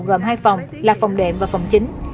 gồm hai phòng là phòng đệm và phòng chính